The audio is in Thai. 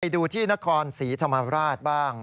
ดูที่นครศรีธรรมราชบ้าง